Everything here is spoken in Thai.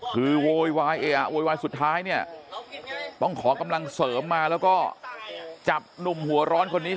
คือโวยวายเออะโวยวายสุดท้ายเนี่ยต้องขอกำลังเสริมมาแล้วก็จับหนุ่มหัวร้อนคนนี้